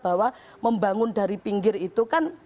bahwa membangun dari pinggir itu kan